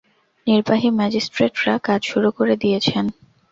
নির্বাহী ম্যাজিস্ট্রেটরা কাজ শুরু করে দিয়েছেন।